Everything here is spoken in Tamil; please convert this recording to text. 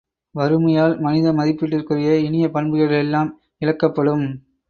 வறுமையால் மனித மதிப்பீட்டுக்குரிய இனிய பண்புகள் எல்லாம் இழக்கப்படும்.